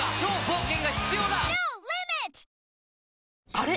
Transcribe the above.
あれ？